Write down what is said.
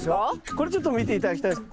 これちょっと見て頂きたいんです。